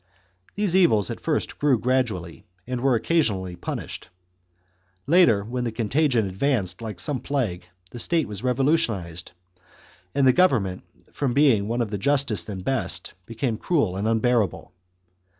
These evils at first grew gradually, and were occasionally punished ; later, when the contagion advanced like some plague, the state was revolutionized, and the government, from being one of the justest and best, became cruel and unbearable.